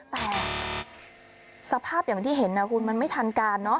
แต่สภาพอย่างที่เห็นนะคุณมันไม่ทันการเนอะ